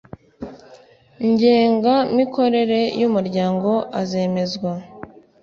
ngenga mikorere y umuryango azemezwa